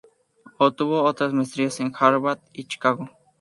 Obtuvo otras maestrías en Harvard y Chicago.